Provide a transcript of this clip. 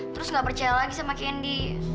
terus gak percaya lagi sama candy